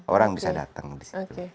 orang bisa datang di situ